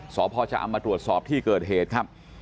สพชะอำมาตรวจสอบที่เกิดเหตุครับ